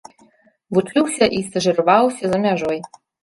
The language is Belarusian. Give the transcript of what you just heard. Вучыўся і стажыраваўся за мяжой.